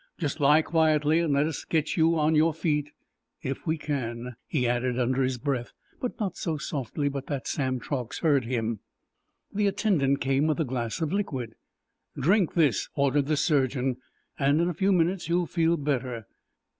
Just lie quietly and let us get you on your feet—if we can," he added under his breath, but not so softly but that Sam Truax heard him. The attendant came with a glass of liquid. "Drink this," ordered the surgeon, "and in a few minutes you'll feel better."